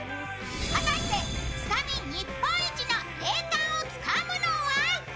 果たして、つかみ日本一の栄冠をつかむのは？